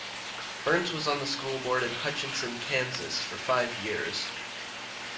Burns was on the school board in Hutchinson, Kansas, for five years.